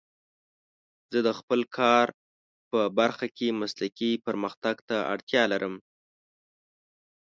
زه د خپل کار په برخه کې مسلکي پرمختګ ته اړتیا لرم.